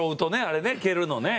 あれね蹴るのね。